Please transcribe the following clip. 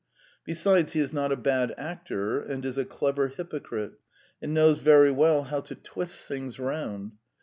Besides, he is not a bad actor and is a clever hypocrite, and knows very well how to twist things round.